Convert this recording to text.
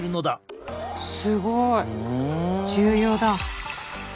すごい！重要だ！